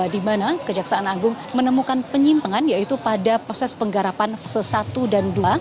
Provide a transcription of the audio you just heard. di mana kejaksaan agung menemukan penyimpangan yaitu pada proses penggarapan fase satu dan dua